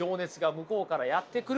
向こうからやってくる。